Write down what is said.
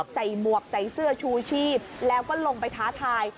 หมวกใส่เสื้อชูชีพแล้วก็ลงไปท้าทาย